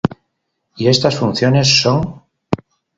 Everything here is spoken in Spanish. Y estas funciones son